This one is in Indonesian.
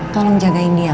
tolong jagain dia